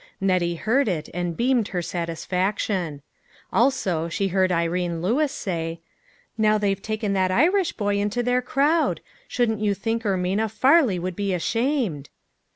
Nettie heard it, and beamed her satis faction. Also she heard Irene Lewis say, " Now they've taken that Irish boy into their crowd shouldn't you think Ermina Farley would be ashamed